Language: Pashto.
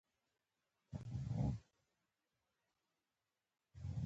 ازادي راډیو د بیکاري په اړه مثبت اغېزې تشریح کړي.